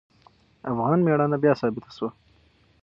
افغان میړانه بیا ثابته شوه.